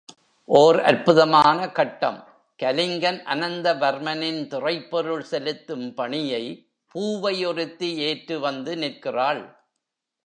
ஓர் அற்புதமான கட்டம் கலிங்கன் அனந்தவர்மனின் திறைப்பொருள் செலுத்தும் பணியை பூவை ஒருத்தி ஏற்று வந்து நிற்கிறாள்.